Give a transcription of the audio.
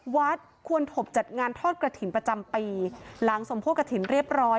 วัดควรถบจัดงานทอดกระถิ่นประจำปีหลังสมโพธิกระถิ่นเรียบร้อย